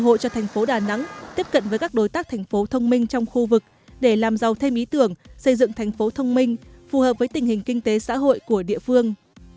cơ hội cho thành phố đà nẵng tiếp cận với các đối tác thành phố thông minh trong khu vực để làm giàu thêm ý tưởng xây dựng thành phố thông minh phù hợp với tình hình kinh tế xã hội của địa phương